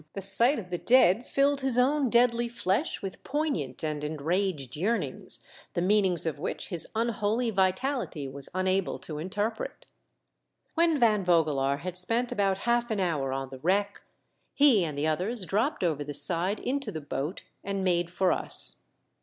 — the sight of the dead filled his own deadly fiesh with poignant and enraging yearnings, the meanings of which his unholy vitality was unable to interpret. When Van Vogelaar had spent about half an hour on the wreck, he and the others dropped over the side into the boat and made for us.